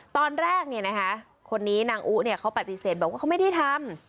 ตอนแรกเนี่ยนะคะคนนี้นางอุเนี่ยเขาปฏิเสธบอกว่าเขาไม่ได้ทำ